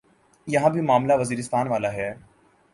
یہاں بھی معاملہ وزیرستان والا ہے۔